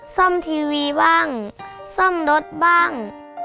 ซ่อมทีวีบ้างซ่อมรถบ้าง